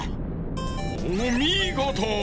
おみごと。